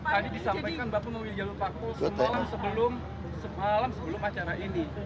pak tadi disampaikan pak punggung wiljalut paku semalam sebelum acara ini